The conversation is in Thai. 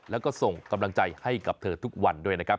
แล้วก็ส่งกำลังใจให้กับเธอทุกวันด้วยนะครับ